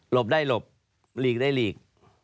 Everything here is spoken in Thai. ได้หลบหลีกได้หลีก